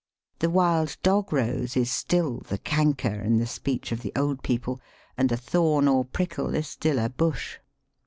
The wild Dog rose is still the "canker" in the speech of the old people, and a thorn or prickle is still a "bush."